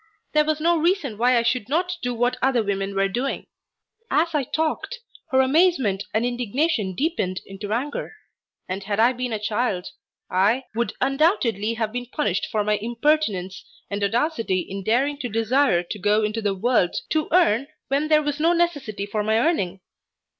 There was no reason why I should not do what other women were doing. As I talked her amazement and indignation deepened into anger, and had I been a child I "would undoubtedly have been punished for my impertinence and audacity in daring to desire to go out into the world to earn what there was no necessity for my earning.